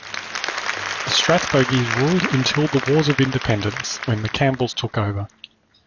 The Strathbogies ruled until the Wars of Independence, when the Campells took over.